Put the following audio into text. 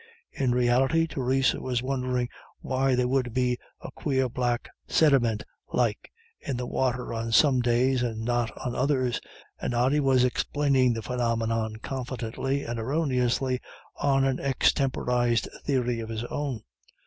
In reality Theresa was wondering why there would be, a quare black sidimint like, in the water on some days and not on others; and Ody was explaining the phenomenon confidently and erroneously on an extemporised theory of his own.